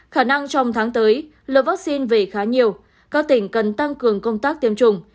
khả năng trong tháng tới lượng vaccine về khá nhiều các tỉnh cần tăng cường công tác tiêm chủng